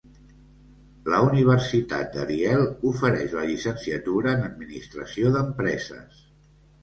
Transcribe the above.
La Universitat d'Ariel ofereix la Llicenciatura en Administració d'Empreses.